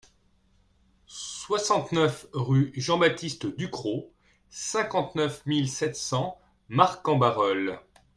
soixante-neuf rue Jean-Baptiste Ducrocq, cinquante-neuf mille sept cents Marcq-en-Barœul